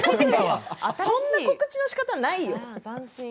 そんな告知のしかたはないよ。